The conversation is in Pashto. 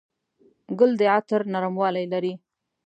ګل د عطر نرموالی لري.